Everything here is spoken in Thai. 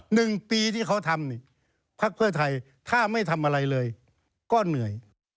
หนึ่งปีที่เขาทำเนี่ยพักเพื่อไทยถ้าไม่ทำอะไรเลยก็เหนื่อย